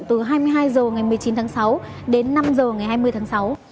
từ hai mươi hai h ngày một mươi chín tháng sáu đến năm h ngày hai mươi tháng sáu